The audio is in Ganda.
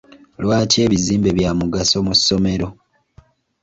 Lwaki ebizimbe bya mugaso mu ssomero?